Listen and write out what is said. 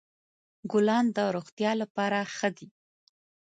ګلان د روغتیا لپاره ښه دي.